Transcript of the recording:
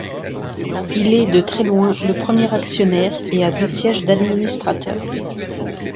Il est, de très loin, le premier actionnaire et a deux sièges d'administrateurs.